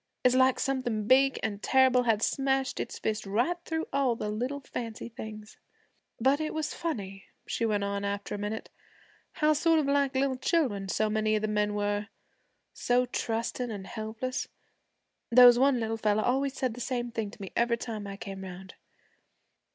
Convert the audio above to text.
It's like something big an' terrible had smashed its fist right through all the little fancy things. 'But it was funny,' she went on after a minute, 'how sort of like children so many of the men were, so trusting an' helpless. There was one little fella always said the same thing to me every time I came 'round.